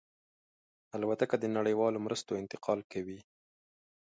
الوتکه د نړیوالو مرستو انتقال کوي.